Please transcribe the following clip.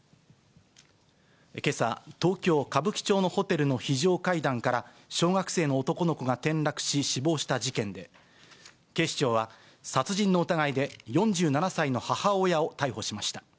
けさ、東京・歌舞伎町のホテルの非常階段から小学生の男の子が転落し、死亡した事件で、警視庁は、殺人の疑いで４７歳の母親を逮捕しました。